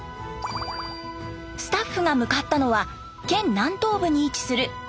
スタッフが向かったのは県南東部に位置する三原市。